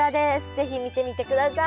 是非見てみてください。